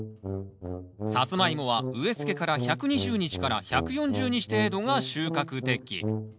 サツマイモは植えつけから１２０日から１４０日程度が収穫適期。